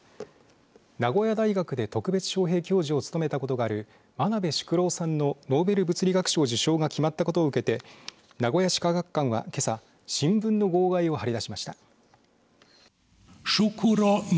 名古屋大学で特別招へい教授を務めたことがある真鍋淑郎さんのノーベル物理学賞受賞が決まったことを受けて名古屋市科学館は、けさ新聞の号外を貼り出しました。